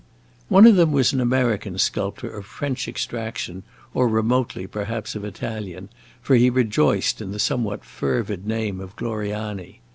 One of them was an American sculptor of French extraction, or remotely, perhaps, of Italian, for he rejoiced in the somewhat fervid name of Gloriani.